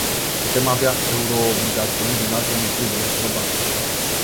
Putem avea euroobligațiuni din alte motive, probabil.